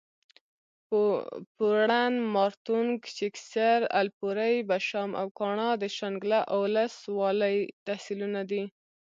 پورڼ، مارتونګ، چکېسر، الپورۍ، بشام او کاڼا د شانګله اولس والۍ تحصیلونه دي